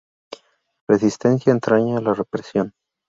Resistencia entraña la represión.